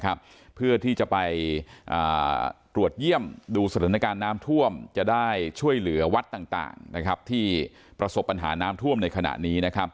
และช่วยเหลือวัดต่างที่ประสบปัญหาน้ำท่วมในขณะนี้